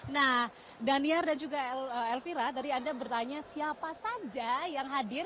nah daniar dan juga elvira tadi anda bertanya siapa saja yang hadir